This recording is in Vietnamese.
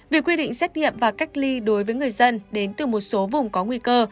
việc quy định xét nghiệm và cách ly đối với người dân đến từ một số vùng có nguy cơ